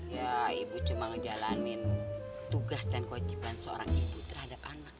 ya ibu cuma ngejalanin tugas dan kewajiban seorang ibu terhadap anak